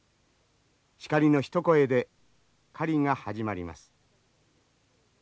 シカリの一声で狩りが始まります。